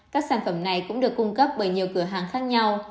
các sản phẩm này cũng được cung cấp bởi nhiều cửa hàng khác nhau